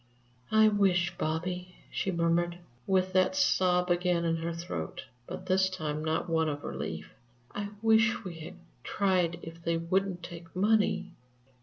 "I wish, Bobby," she murmured, with that sob again in her throat, but this time not one of relief, "I wish we had tried if they wouldn't take money!"